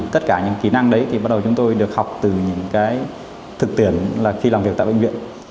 tất cả những kỹ năng đấy thì bắt đầu chúng tôi được học từ những cái thực tiễn là khi làm việc tại bệnh viện